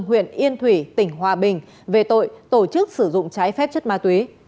huyện yên thủy tỉnh hòa bình về tội tổ chức sử dụng trái phép chất ma túy